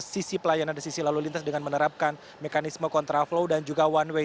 sisi pelayanan dari sisi lalu lintas dengan menerapkan mekanisme kontraflow dan juga one way